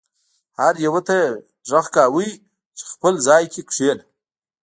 هر یو ته یې غږ کاوه چې خپل ځای کې کښېنه.